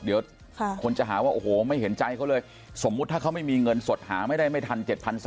เดี๋ยวคนจะหาว่าโอ้โหไม่เห็นใจเขาเลยสมมุติถ้าเขาไม่มีเงินสดหาไม่ได้ไม่ทัน๗๓๐๐